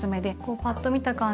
パッと見た感じ